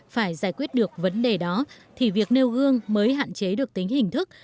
phải giải quyết được vấn đề đó thì việc nêu gương mới hạn chế được tính hình thức